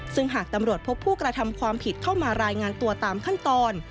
ซึ่งหากตำรวจพบผู้กระทำความผิดเข้ามารายงานตัวตามขั้นตอน